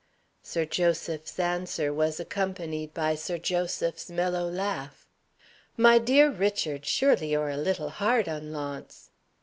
Sir Joseph's answer was accompanied by Sir Joseph's mellow laugh. "My dear Richard! Surely you are a little hard on Launce?"